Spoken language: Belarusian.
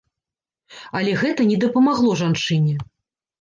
Але гэта не дапамагло жанчыне.